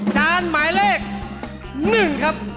จานหมายเลข๑ครับ